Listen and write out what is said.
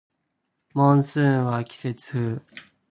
モンスーンは季節風